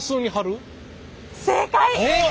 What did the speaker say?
正解！